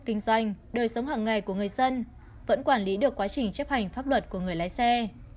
kinh doanh đời sống hàng ngày của người dân vẫn quản lý được quá trình chấp hành pháp luật của người lái xe